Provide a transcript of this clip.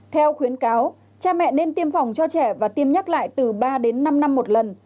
theo khuyến cáo cha mẹ nên tiêm phòng cho trẻ và tiêm nhắc lại từ ba đến năm năm một lần